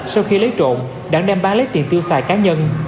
sau khi lấy trộn đảng đem bán lấy tiền tiêu xài cá nhân